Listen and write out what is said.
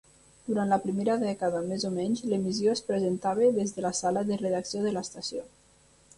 Durant la primera dècada més o menys, l'emissió es presentava des de la sala de redacció de l'estació.